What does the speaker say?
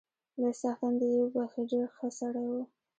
لوی څښتن دې يې وبخښي، ډېر ښه سړی وو